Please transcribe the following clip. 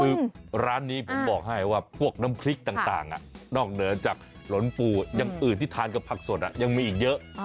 คือร้านนี้ผมบอกให้ว่าพวกน้ำพริกต่างนอกเหนือจากหลนปูอย่างอื่นที่ทานกับผักสดยังมีอีกเยอะ